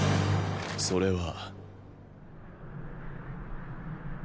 それは。